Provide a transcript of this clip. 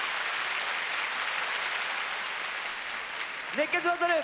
「熱血バトル」。